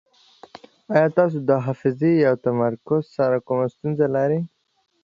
ایا تاسو د حافظې یا تمرکز سره کومه ستونزه لرئ؟